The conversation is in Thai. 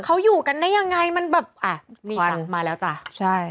เขาอยู่กันได้ยังไงมันแบบอ่ะนี่จ้ะมาแล้วจ้ะใช่